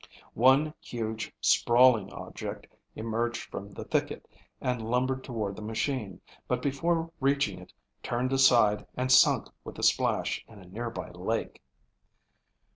One huge, sprawling object emerged from the thicket and lumbered toward the machine, but before reaching it turned aside and sunk with a splash in a nearby lake.